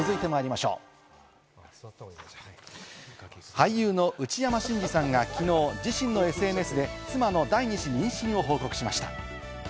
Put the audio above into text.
俳優の内山信二さんがきのう自身のＳＮＳで妻の第２子妊娠を報告しました。